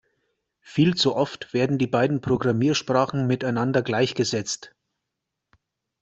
Viel zu oft werden die beiden Programmiersprachen miteinander gleichgesetzt.